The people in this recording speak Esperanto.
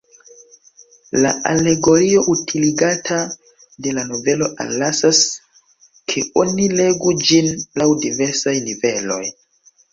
La alegorio utiligata de la novelo allasas, ke oni legu ĝin laŭ diversaj niveloj.